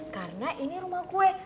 karena ini rumah gue